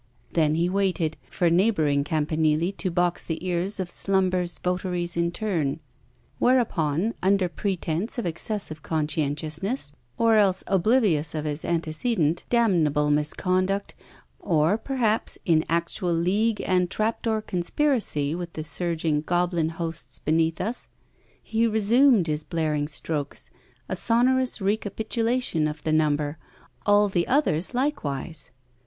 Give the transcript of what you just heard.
Then he waited for neighbouring campanili to box the ears of slumber's votaries in turn; whereupon, under pretence of excessive conscientiousness, or else oblivious of his antecedent, damnable misconduct, or perhaps in actual league and trapdoor conspiracy with the surging goblin hosts beneath us, he resumed his blaring strokes, a sonorous recapitulation of the number; all the others likewise.